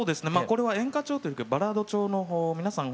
これは演歌調というよりバラード調の皆さん